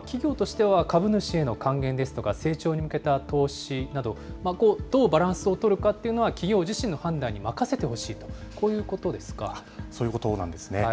企業としては株主への還元ですとか、成長に向けた投資など、どうバランスを取るかというのは、企業自身の判断に任せてほしいと、そういうことなんですね。